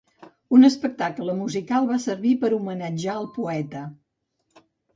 Un espectacle musical va servir per homenatjar el poeta.